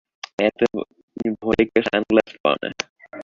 এত ভোরে কেউ সানগ্লাস পরে না।